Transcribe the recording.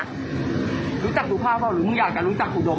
รู้จักดูภาพเปล่าหรือมึงอยากจะรู้จักอุดม